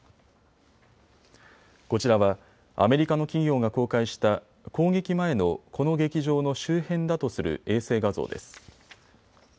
こちらはアメリカの企業が公開した攻撃前の、この劇場の周辺だとする衛星画像です。